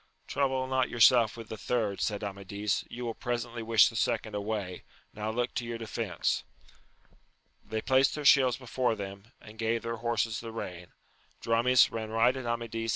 Trouble not yourself about the third, said Amadis, you will presently wish the second away : now look to your defence ! They placed their shields before them, and gave their horses the rein. Dramis ran right at Amadis 1 238 • AMADIS OF GAUL.